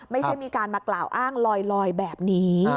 ไม่ใช่มีการมากล่าวอ้างลอยแบบนี้